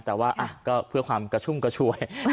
แต่ว่าก็เพื่อความกระชุ่มกระชวย